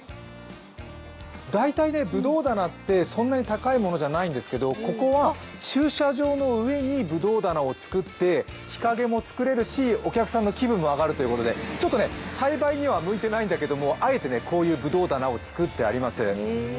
大体ぶどう棚ってそんなに高いものじゃないんですけどここは駐車場の上にぶどう棚を作って、日陰も作れるし、お客さんの気分も上がるということで栽培には向いてないんだけど、あえてこういうぶどう棚を作っています。